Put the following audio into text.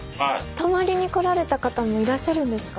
泊まりに来られた方もいらっしゃるんですか？